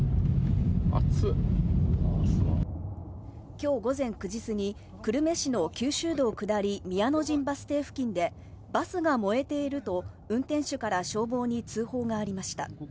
今日午前９時すぎ、久留米市の九州道降り、宮の陣バス停付近でバスが燃えていると運転手から消防に通報がありました。